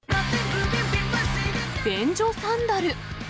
便所サンダル。